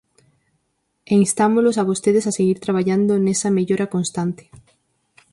E instámolos a vostedes a seguir traballando nesa mellora constante.